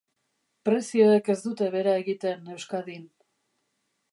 Prezioek ez dute behera egiten Euskadin.